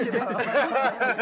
ハハハハ！